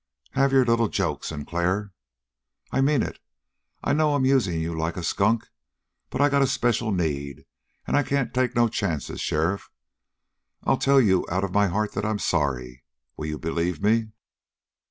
"Have your little joke, Sinclair!" "I mean it. I know I'm usin' you like a skunk. But I got a special need, and I can't take no chances. Sheriff, I tell you out of my heart that I'm sorry! Will you believe me?"